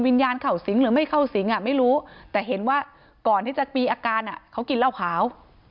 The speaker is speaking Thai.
เข้าสิงหรือไม่เข้าสิงอ่ะไม่รู้แต่เห็นว่าก่อนที่จะปีอาการเขากินเหล้าขาว